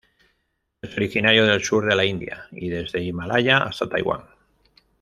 Es originario del sur de la India y desde Himalaya hasta Taiwan.